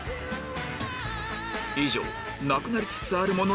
以上なくなりつつあるもの